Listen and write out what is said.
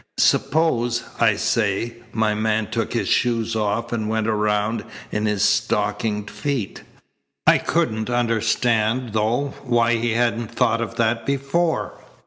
'Suppose,' I says, 'my man took his shoes off and went around in his stockinged feet!' I couldn't understand, though, why he hadn't thought of that before.